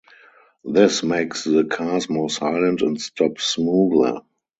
This makes the cars more silent and stop smoother.